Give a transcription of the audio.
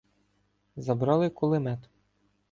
Забрали кулемет.